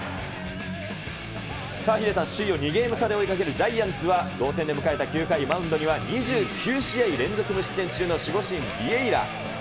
さあ、ヒデさん、首位を２ゲーム差で追いかけるジャイアンツは、同点で迎えた９回、マウンドには２９試合連続無失点中の守護神、ビエイラ。